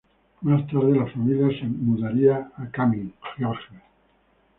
Más tarde la familia se mudaría a Cumming, Georgia.